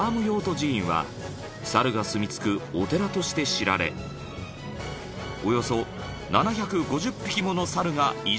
［猿がすみ着くお寺として知られおよそ７５０匹もの猿が一斉に］